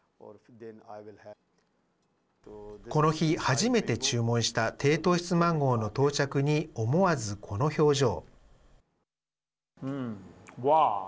この日、初めて注文した低糖質マンゴーの到着に思わずこの表情。